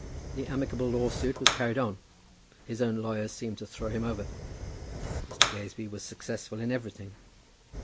The amicable lawsuit was carried on. His own lawyer seemed to throw him over. Mr. Gazebee was successful in everything.